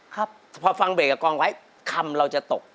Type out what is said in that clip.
พอฟังเบสกับกลองไว้คำเราจะตก